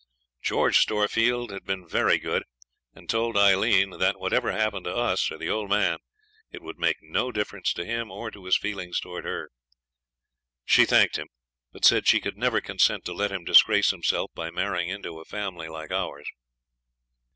George Storefield had been very good, and told Aileen that, whatever happened to us or the old man, it would make no difference to him or to his feelings towards her. She thanked him, but said she could never consent to let him disgrace himself by marrying into a family like ours.